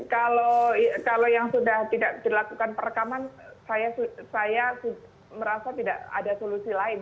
kalau yang sudah tidak dilakukan perekaman saya merasa tidak ada solusi lain